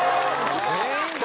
全員だ。